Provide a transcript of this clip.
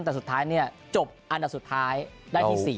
แต่สุดท้ายเนี่ยจบอันดับสุดท้ายได้ที่๔